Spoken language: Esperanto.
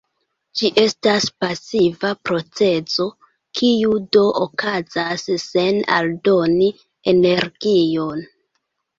Ĝi estas pasiva procezo, kiu do okazas sen aldoni energion.